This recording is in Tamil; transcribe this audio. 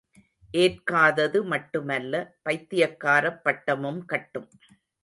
ஏற்காதது மட்டுமல்ல, பைத்தியக்காரப் பட்டமும் கட்டும்.